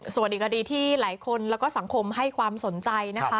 ส่วนอีกคดีที่หลายคนแล้วก็สังคมให้ความสนใจนะคะ